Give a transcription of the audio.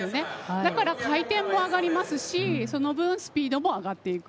だから回転も上がりますしその分、スピードも上がっていく。